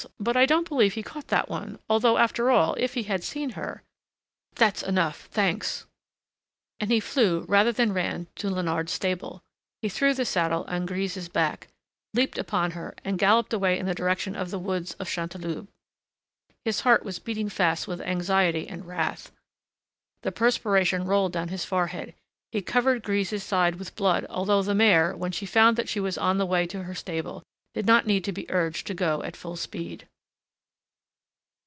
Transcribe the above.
But I don't believe he caught that one; although, after all, if he had seen her " "That's enough, thanks!" And he flew rather than ran to Leonard's stable. He threw the saddle on Grise's back, leaped upon her, and galloped away in the direction of the woods of Chanteloube. His heart was beating fast with anxiety and wrath, the perspiration rolled down his forehead. He covered Grise's sides with blood, although the mare, when she found that she was on the way to her stable, did not need to be urged to go at full speed.